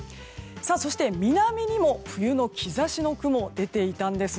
そして、南にも冬の兆しの雲が出ていたんです。